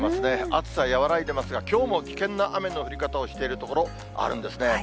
暑さ和らいでますが、きょうも危険な雨の降り方をしている所、あるんですね。